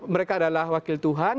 mereka adalah wakil tuhan